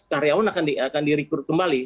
karyawan akan direkrut kembali